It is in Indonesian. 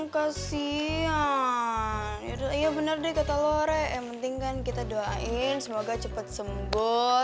kasian iya bener deh kata lo re yang penting kan kita doain semoga cepet sembuh